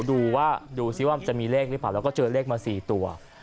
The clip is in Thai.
ดูว่าดูซิว่ามันจะมีเลขหรือเปล่าแล้วก็เจอเลขมา๔ตัว